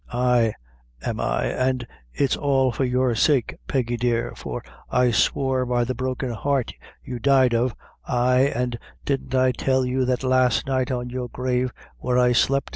Ay, am I, an' it's all for your sake, Peggy dear, for, I swore by the broken heart you died of ay, an' didn't I tell you that last night on your grave where I slep'.